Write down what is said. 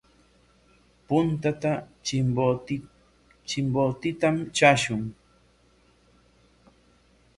Puntata Chimbotetam traashun.